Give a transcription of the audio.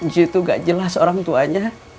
cuy tuh gak jelas orang tuanya